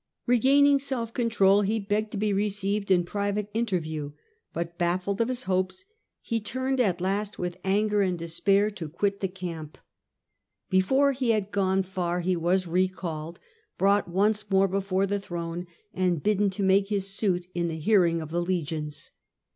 Regaining self control he begged to be received in private interview ; but baffled Of his hopes, he turned at last with anger and despair to 97 117 43 Trajan, quit the camp. Before he had gone far he was recalled, Drought once more before the throne, and bidden to make his suit in the hearing of the legions.